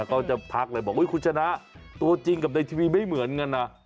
เขาจะทักเลยบอกคุณชนะตัวจริงกับในทีวีไม่เหมือนกันนะ